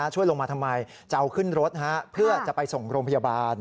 ช่วยลงมาทำไมจะเอาขึ้นรถเพื่อจะไปส่งโรงพยาบาล